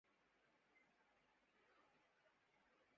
ان کا خیال ہے کہ ایک منتخب وزیراعظم اگر ناکام ہو تا ہے۔